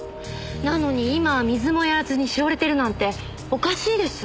なのに今は水もやらずにしおれてるなんておかしいです。